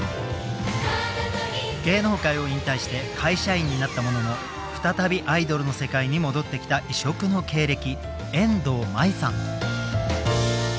芸能界を引退して会社員になったものの再びアイドルの世界に戻ってきた異色の経歴遠藤舞さん。